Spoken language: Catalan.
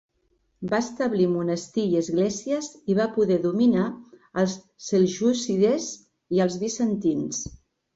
Va establir monestir i esglésies i va poder dominar als seljúcides i als bizantins.